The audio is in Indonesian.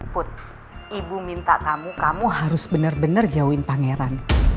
put ibu minta kamu kamu harus bener bener jauhin pangeran